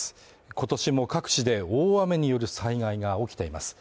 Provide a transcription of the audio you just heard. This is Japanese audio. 今年も各地で大雨による災害が起きています。